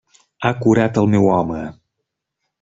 Ha curat el meu home!